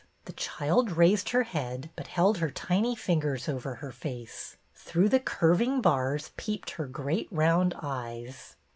The child raised her head, but held her tiny fingers over her face. Through the curving bars peeped her great round eyes.